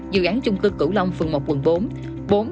dự án chung cư cửu long phường một quận bốn